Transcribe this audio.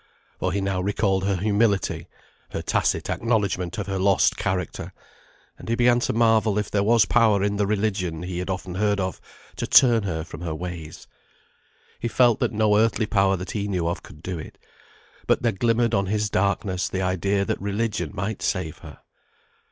For he now recalled her humility, her tacit acknowledgment of her lost character; and he began to marvel if there was power in the religion he had often heard of, to turn her from her ways. He felt that no earthly power that he knew of could do it, but there glimmered on his darkness the idea that religion might save her.